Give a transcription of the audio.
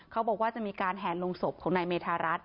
เขาบอกว่าจะมีการแห่ลงศพของนายเมธารัฐ